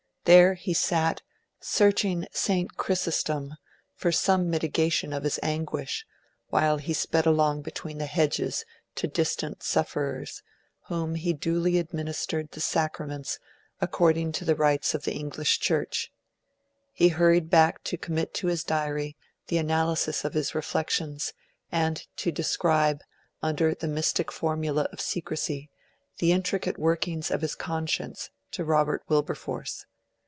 There he sat, searching St. Chrysostom for some mitigation of his anguish, while he sped along between the hedges to distant sufferers, to whom he duly administered the sacraments according to the rites of the English Church. He hurried back to commit to his Diary the analysis of his reflections, and to describe, under the mystic formula of secrecy, the intricate workings of his conscience to Robert Wilberforce.